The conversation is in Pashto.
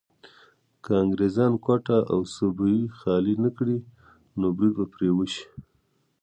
که انګريزان کوټه او سبۍ خالي نه کړي نو بريد به پرې وشي.